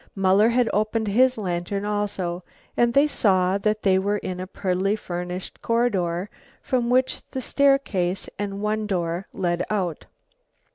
Muller had opened his lantern also, and they saw that they were in a prettily furnished corridor from which the staircase and one door led out.